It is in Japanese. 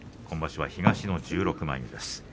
今場所は東の１６枚目です。